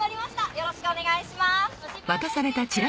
よろしくお願いします。